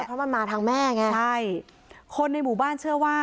เพราะมันมาทางแม่ไงใช่คนในหมู่บ้านเชื่อว่า